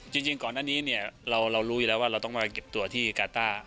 จริงก่อนหน้านี้เนี่ยเรารู้อยู่แล้วว่าเราต้องมาเก็บตัวที่กาต้า